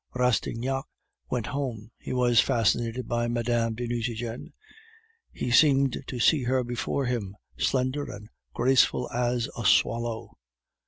Rastignac went home. He was fascinated by Mme. de Nucingen; he seemed to see her before him, slender and graceful as a swallow.